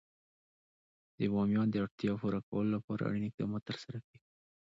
د بامیان د اړتیاوو پوره کولو لپاره اړین اقدامات ترسره کېږي.